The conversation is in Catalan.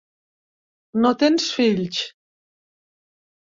No tens fills.